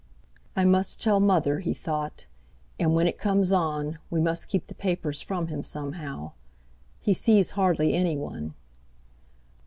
"I must tell mother," he thought, "and when it comes on, we must keep the papers from him somehow. He sees hardly anyone."